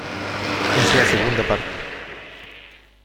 es la segunda parte.